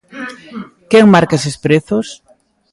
¿Quen marca eses prezos?